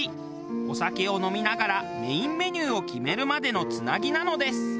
お酒を飲みながらメインメニューを決めるまでのつなぎなのです。